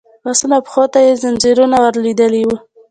لاسونو او پښو ته يې ځنځيرونه ور لوېدلي وو.